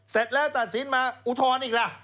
เสร็จแล้วตัดสินมาอุทธรณ์อีกล่ะ